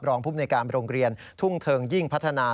ภูมิในการโรงเรียนทุ่งเทิงยิ่งพัฒนา